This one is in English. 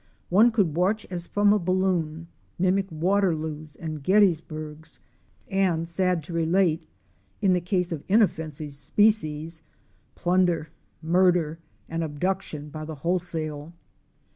One could watch as from a balloon, mimic Waterloos and Gettysburgs, and sad to relate, in the case of inoffensive species, plunder, murder, and abduction by the wholesale.